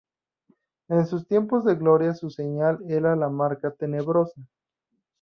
En sus tiempos de gloria su señal era la Marca Tenebrosa.